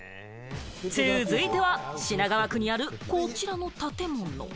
続いては品川区にある、こちらの建物。